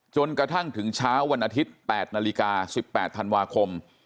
จนกระทั่งถึงเช้าวันอาทิตย์๘นาฬิกา๑๘ธันวาคม